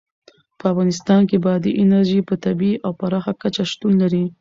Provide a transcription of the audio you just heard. په افغانستان کې بادي انرژي په طبیعي او پراخه کچه شتون لري.